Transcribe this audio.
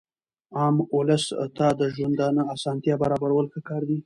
عام اولس ته د ژوندانه اسانتیاوي برابرول ښه کار دئ.